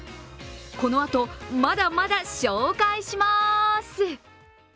このあと、まだまだ紹介します。